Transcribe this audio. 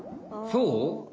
そう？